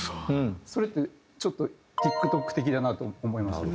それってちょっとＴｉｋＴｏｋ的だなと思いません？